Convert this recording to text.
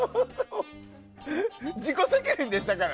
自己責任でしたからね。